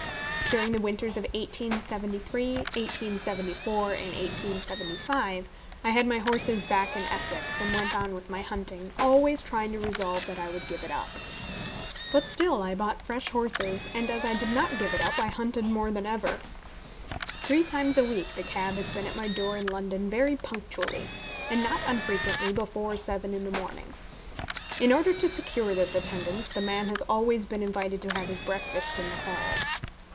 During the winters of 1873, 1874, and 1875, I had my horses back in Essex, and went on with my hunting, always trying to resolve that I would give it up. But still I bought fresh horses, and, as I did not give it up, I hunted more than ever. Three times a week the cab has been at my door in London very punctually, and not unfrequently before seven in the morning. In order to secure this attendance, the man has always been invited to have his breakfast in the hall.